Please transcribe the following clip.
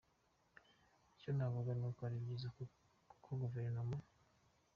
Icyo navuga ni uko ari byiza ko Guverinoma.